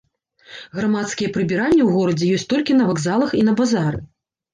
Грамадскія прыбіральні ў горадзе ёсць толькі на вакзалах і на базары.